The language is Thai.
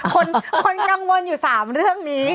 คนกังวลอยู่๓เรื่องนี้